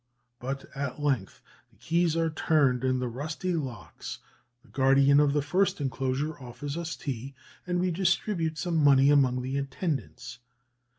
But at length the keys are turned in the rusty locks, the guardian of the first enclosure offers us tea, and we distribute some money among the attendants....